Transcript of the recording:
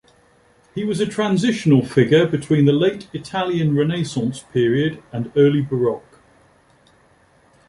He was a transitional figure between the late Italian Renaissance period and early Baroque.